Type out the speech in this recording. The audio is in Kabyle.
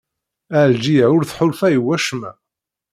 Ɛelǧiya ur tḥulfa i wacemma?